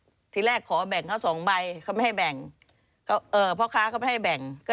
อีกทีแรกขอแบ่งเขาสองใบก็ไม่ให้แบ่ง